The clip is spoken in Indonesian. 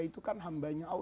itu kan hambanya